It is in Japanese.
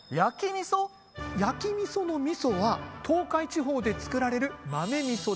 焼き味噌の味噌は東海地方で造られる豆味噌です。